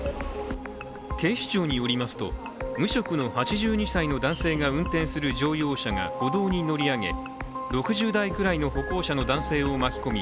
警視庁によりますと、無職の８２歳の男性が運転する乗用車が歩道に乗り上げ、６０代くらいの歩行者の男性を巻き込み